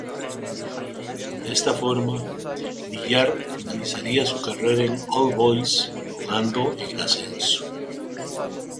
De esta forma, Villar finalizaría su carrera en All Boys, jugando en el Ascenso.